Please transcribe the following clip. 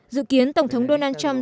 dự kiến tổng thống donald trump